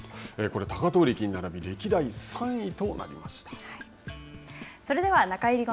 これ、貴闘力に並んで歴代３位となりました。